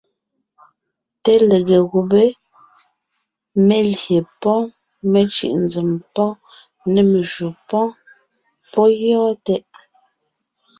Té lege gùbé (melyè pɔ́ mecʉ̀ʼ nzèm) nê meshǔ... pɔ́ gyɔ́ɔn tɛʼ!